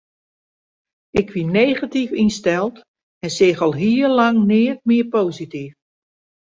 Ik wie negatyf ynsteld en seach al hiel lang neat mear posityf.